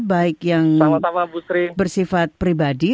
baik yang bersifat pribadi